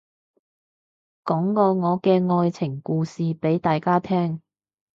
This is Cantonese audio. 講個我嘅愛情故事俾大家聽